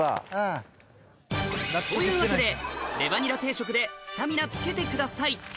というわけでレバニラ定食でスタミナつけてください